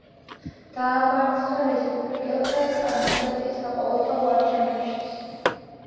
დაამარცა რესპუბლიკელთა კანდიდატი საყოველთაო არჩევნებშიც.